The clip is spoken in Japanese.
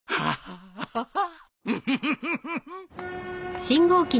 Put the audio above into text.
ウフフフ。